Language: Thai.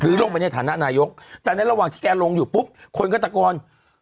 ลงไปในฐานะนายกแต่ในระหว่างที่แกลงอยู่ปุ๊บคนก็ตะโกน